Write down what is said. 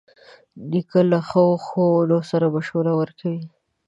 نیکه له ښو ښوونو سره مشوره ورکوي.